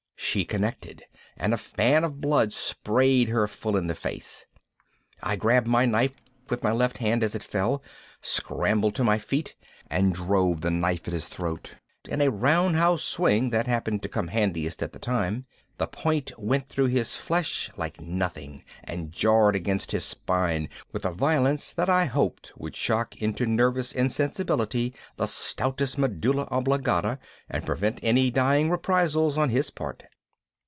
She connected and a fan of blood sprayed her full in the face. I grabbed my knife with my left hand as it fell, scrambled to my feet, and drove the knife at his throat in a round house swing that happened to come handiest at the time. The point went through his flesh like nothing and jarred against his spine with a violence that I hoped would shock into nervous insensibility the stoutest medulla oblongata and prevent any dying reprisals on his part.